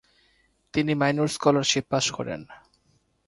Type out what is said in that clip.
তিনি minor scholarship pass করেন।